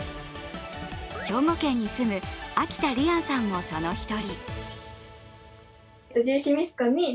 兵庫県に住む秋田莉杏さんもその１人。